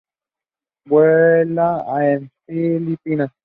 Vuela en Filipinas.